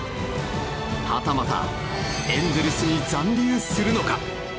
はたまたエンゼルスに残留するのか？